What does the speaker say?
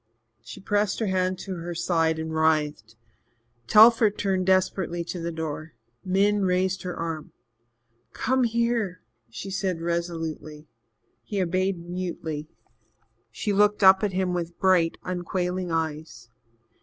She pressed her hand to her side and writhed. Telford turned desperately to the door. Min raised her arm. "Come here," she said resolutely. He obeyed mutely. She looked up at him with bright, unquailing eyes.